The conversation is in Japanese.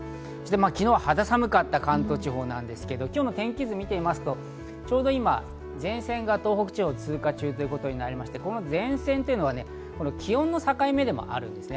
昨日は肌寒かった関東地方なんですが、今日の天気図を見ますと、ちょうど今、前線が東北地方を通過中ということになりまして、この前線が気温の境目でもあるんですね。